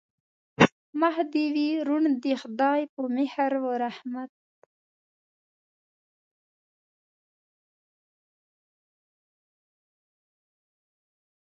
مخ دې وي روڼ د خدای په مهر و رحمت.